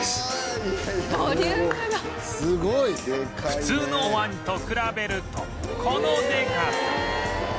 普通のおわんと比べるとこのでかさ